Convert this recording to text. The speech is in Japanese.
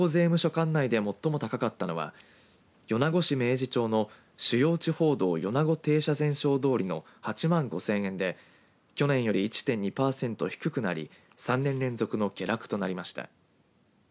管内で最も高かったのは米子市明治町の主要地方道米子停車場線通りの８万５０００円で去年より１．２パーセント低くなり３年連続の下落となりました。